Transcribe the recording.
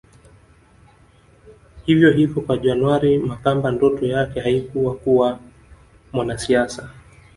Hivyo hivyo kwa January Makamba ndoto yake haikuwa kuwa mwanasiasa